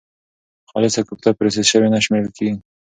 خالصه کوفته پروسس شوې نه شمېرل کېږي.